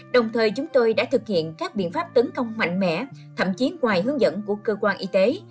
đồng thời chúng tôi đã thực hiện các biện pháp tấn công mạnh mẽ thậm chí ngoài hướng dẫn của cơ quan y tế